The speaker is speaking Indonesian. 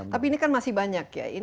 tapi ini kan masih banyak ya